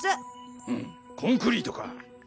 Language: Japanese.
うんコンクリートか。